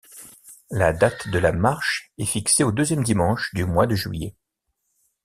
La date de la marche est fixée au deuxième dimanche du mois de juillet.